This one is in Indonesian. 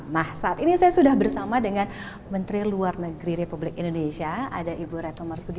nah saat ini saya sudah bersama dengan menteri luar negeri republik indonesia ada ibu retno marsudi